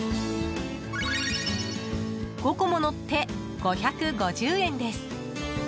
５個ものって、５５０円です。